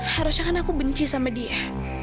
harusnya kan aku benci sama dia